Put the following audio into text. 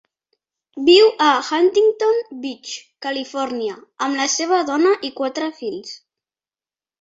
Viu a Huntington Beach, Califòrnia, amb la seva dona i quatre fills.